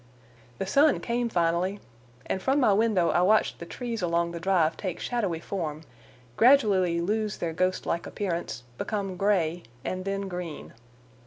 The sun came finally, and from my window I watched the trees along the drive take shadowy form, gradually lose their ghostlike appearance, become gray and then green.